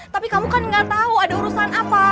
tapi kamu kan gak tau ada urusan apa